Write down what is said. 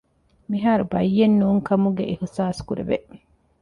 މިހާރު ބައްޔެއް ނޫންކަމުގެ އިޙްސާސްކުރޭ